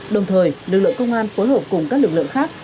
đồng thời lực lượng công an phối hợp cùng các lực lượng khác